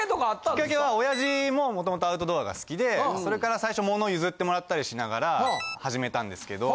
きっかけは親父も元々アウトドアが好きでそれから最初物譲ってもらったりしながら始めたんですけど。